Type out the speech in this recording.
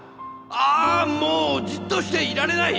ああもうじっとしていられない！